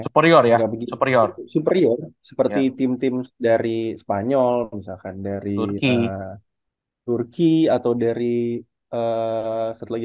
superior ya begitu superior superior seperti tim tim dari spanyol misalkan dari turki atau dari strategi